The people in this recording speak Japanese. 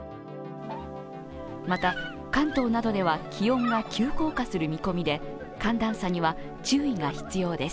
また、関東などでは気温が急降下する見込みで寒暖差には注意が必要です。